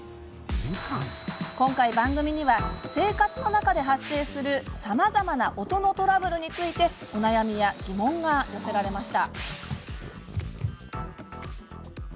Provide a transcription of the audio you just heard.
今回、番組には生活の中で発生するさまざまな音のトラブルについてお悩みや疑問が寄せられました。